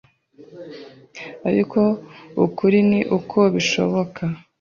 Ariko, ukuri ni uko bishoboka